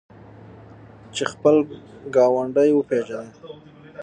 چې خپل ګاونډی وپیژني.